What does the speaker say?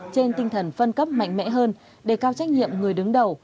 trên tinh thần phân cấp mạnh mẽ hơn đề cao trách nhiệm người đứng đầu